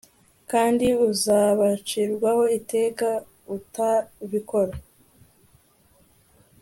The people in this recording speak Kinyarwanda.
kandi uzabacirwaho iteka utabikora